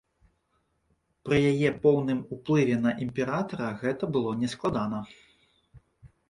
Пры яе поўным уплыве на імператара гэта было нескладана.